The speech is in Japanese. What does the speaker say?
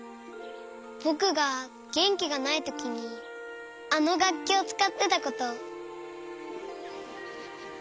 ぼくがげんきがないときにあのがっきをつかってたこと。